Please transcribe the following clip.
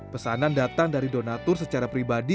pesanan datang dari donatur secara pribadi